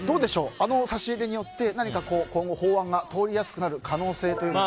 あの差し入れによって今後、法案が通りやすくなる可能性というのは。